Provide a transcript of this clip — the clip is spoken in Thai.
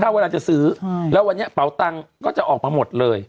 ถ้าเวลาจะซื้อแล้ววันนี้เป๋าตังค์ก็จะออกมาหมดเลย